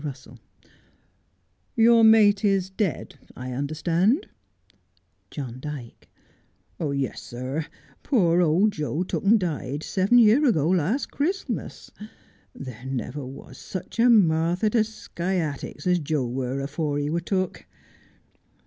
Mr. Russell : Your mate is dead, I understand ? John Dyke : Yes, sir, pore old Joe took and died seven year ago last Chrisselmas. There never was such a marther to skyatics as Joe were afore he was took.